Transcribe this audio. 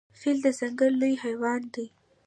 فیل د ځنګل لوی حیوان دی.